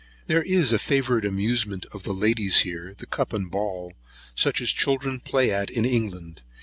There is a favourite amusement of the ladies here, (the cup and ball), such as children play at in England.